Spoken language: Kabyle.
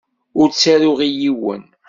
Ur ttaruɣ i yiwen.